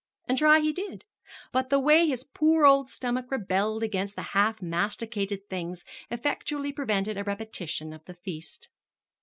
And try he did; but the way his poor old stomach rebelled against the half masticated things effectually prevented a repetition of the feast.